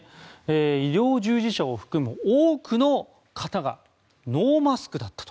医療従事者を含む多くの方がノーマスクだったと。